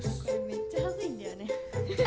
めっちゃハズいんだよな。